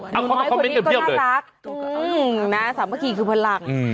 แล้วดูน้อยคนนี้ก็น่ารักสามพักกีคือพลัง